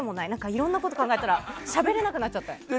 いろんなことを考えたらしゃべれなくなっちゃった。